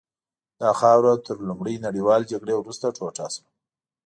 دا خاوره تر لومړۍ نړیوالې جګړې وروسته ټوټه شوه.